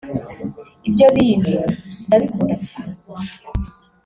Ibyo bintu ndabikunda cyane